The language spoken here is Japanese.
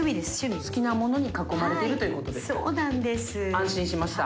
安心しました。